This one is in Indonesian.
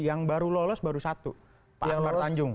yang baru lolos baru satu pak akbar tanjung